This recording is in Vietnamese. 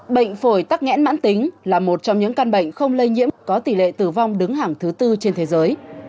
bệnh phổi tắc nghẽn mãn tính là một trong những căn bệnh không lây nhiễm có tỷ lệ tử vong đứng hẳng thứ tư trên thế giới